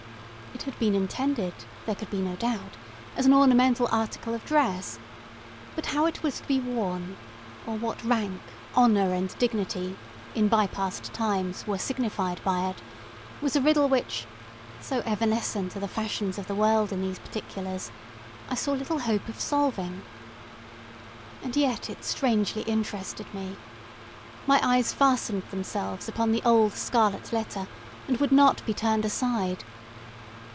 It had been intended, there could be no doubt, as an ornamental article of dress; but how it was to be worn, or what rank, honour, and dignity, in by past times, were signified by it, was a riddle which (so evanescent are the fashions of the world in these particulars) I saw little hope of solving. And yet it strangely interested me. My eyes fastened themselves upon the old scarlet letter, and would not be turned aside.